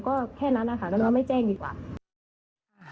ก็แค่นั้นนะคะน้องไม่แจ้งดีกว่า